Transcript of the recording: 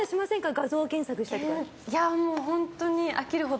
画像検索したりとか。